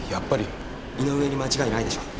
井上に間違いないでしょう。